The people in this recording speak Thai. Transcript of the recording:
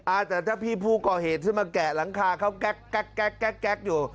อาจจะถ้าพี่ภูกรเหตุมาแกะหลังคาเขาแก๊กอยู่